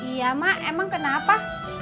iya mak emang kenapa